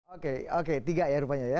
oke oke tiga ya rupanya ya